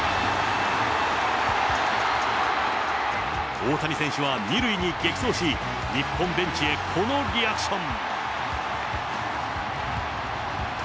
大谷選手は２塁に激走し、日本ベンチへこのリアクション。